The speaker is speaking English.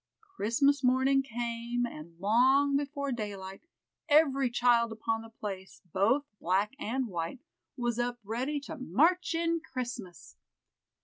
Christmas morning came, and long before daylight, every child upon the place, both black and white, was up ready to "march in Christmas."